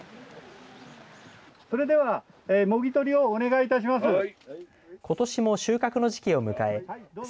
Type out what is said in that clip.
それではもぎ取りをお願いいたします。